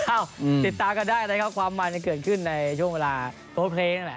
ติดตามกันได้นะครับความมันเกิดขึ้นในช่วงเวลาตัวเพลงนั่นแหละ